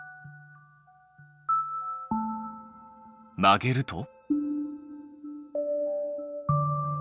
曲げると？